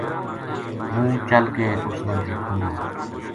ہوں چل کے اُس نا دیکھوں گو ‘‘